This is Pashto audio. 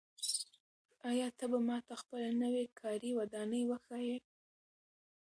آیا ته به ماته خپله نوې کاري ودانۍ وښایې؟